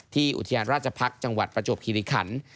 อุทยานราชภักษ์จังหวัดประจวบคิริขัน